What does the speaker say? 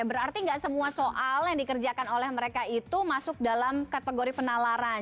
berarti nggak semua soal yang dikerjakan oleh mereka itu masuk dalam kategori penalaran